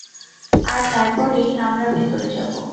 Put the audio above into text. আর তারপরই, আমরা ভেতরে যাবো।